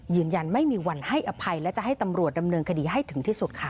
ยืนยันไม่มีวันให้อภัยและจะให้ตำรวจดำเนินคดีให้ถึงที่สุดค่ะ